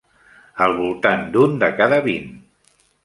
Al voltant d'un de cada vint.